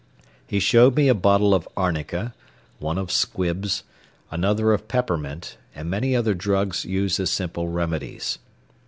He showed me a bottle of arnica, one of squibbs, another of peppermint, and many other drugs used as simple remedies.